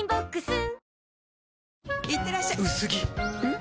ん？